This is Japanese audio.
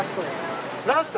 ラスト？